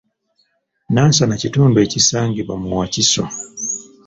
Nansana kitundu ekisangibwa mu Wakiso.